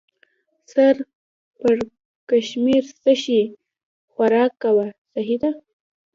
سر پړکمشر: څه شی؟ خوراک کوه، سهي ده.